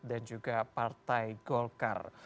dan juga partai golkar